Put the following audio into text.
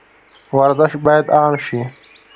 ورزش باید عام شي